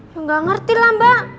ya nggak ngerti lah mbak